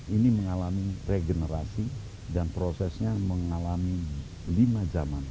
ini mengalami regenerasi dan prosesnya mengalami lima zaman